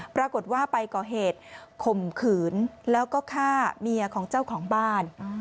ปรากฏว่าไปก่อเหตุข่มขืนแล้วก็ฆ่าเมียของเจ้าของบ้าน